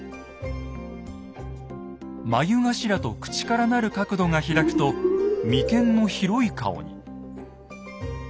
眉頭と口から成る角度が開くと眉間の広い顔に。